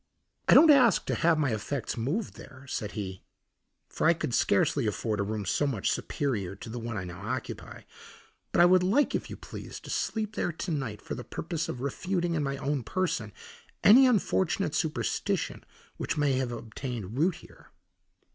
"I don't ask to have my effects moved there," said he, "for I could scarcely afford a room so much superior to the one I now occupy, but I would like, if you please, to sleep there to night for the purpose of refuting in my own person any unfortunate superstition which may have obtained root here."